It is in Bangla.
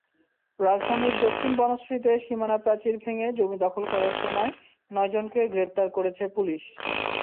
রাজধানীর দক্ষিণ বনশ্রীতে সীমানাপ্রাচীর ভেঙে জমি দখল করার সময় নয়জনকে গ্রেপ্তার করেছে পুলিশ।